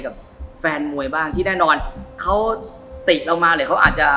กับแฟนมวยบ้าง